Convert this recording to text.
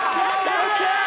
よっしゃー！